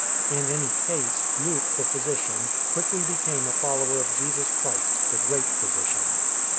In any case, Luke, the phy sician, quickly became a follower of Jesus Christ, the Great Physician.